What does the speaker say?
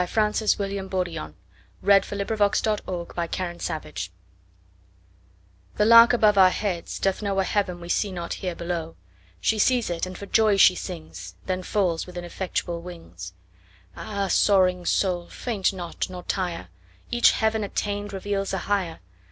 Francis William Bourdillon b. 1852 A Violinist THE LARK above our heads doth knowA heaven we see not here below; She sees it, and for joy she sings; Then falls with ineffectual wings. Ah, soaring soul! faint not nor tire! Each heaven attained reveals a higher.